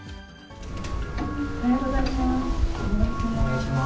おはようございます。